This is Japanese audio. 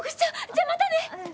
じゃあまたね！